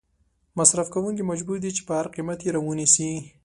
مصرف کوونکې مجبور دي چې په هر قیمت یې را ونیسي.